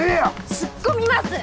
突っ込みます！